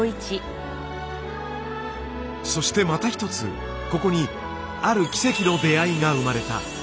そしてまた一つここにある奇跡の出会いが生まれた。